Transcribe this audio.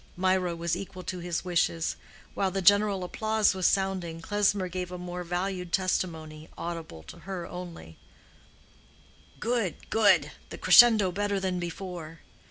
Mirah was equal to his wishes. While the general applause was sounding, Klesmer gave a more valued testimony, audible to her only—"Good, good—the crescendo better than before."